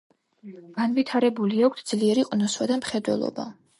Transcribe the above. განვითარებული აქვთ ძლიერი ყნოსვა და მხედველობა.